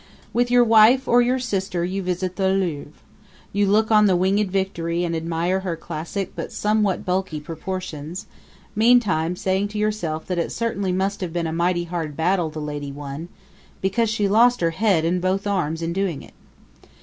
With your wife or your sister you visit the Louvre. You look on the Winged Victory and admire her classic but somewhat bulky proportions, meantime saying to yourself that it certainly must have been a mighty hard battle the lady won, because she lost her head and both arms in doing it.